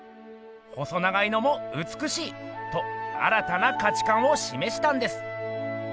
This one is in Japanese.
「細長いのもうつくしい！」と新たな価値観をしめしたんです。